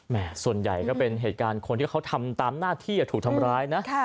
ส่วนใหญ่ก็เป็นเหตุการณ์คนที่เขาทำตามหน้าที่ถูกทำร้ายนะ